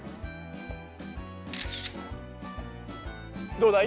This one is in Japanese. どうだい？